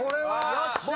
よっしゃ！